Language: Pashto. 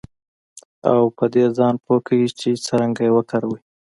او په دې ځان پوه کړئ چې څرنګه یې وکاروئ